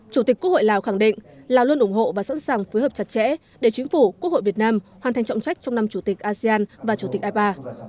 chủ tịch quốc hội lào khẳng định lào luôn ủng hộ và sẵn sàng phối hợp chặt chẽ để chính phủ quốc hội việt nam hoàn thành trọng trách trong năm chủ tịch asean và chủ tịch ipa